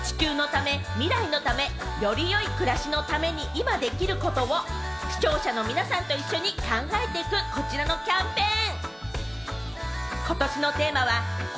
今月２８日から８日間、日テレ系の番組が地球のため、未来のため、より良い暮らしのために今できることを視聴者の皆さんと一緒に考えていく、こちらのキャンペーン。